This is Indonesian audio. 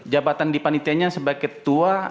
jabatan di panitianya sebagai ketua